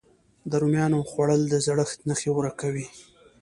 د رومیانو خووړل د زړښت نښې ورو کوي.